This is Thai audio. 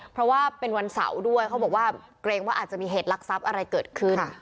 เพราะว่าเป็นวันเสาร์ด้วยเขาบอกว่าเกรงว่าอาจจะมีเหตุลักษัพอะไรเกิดขึ้น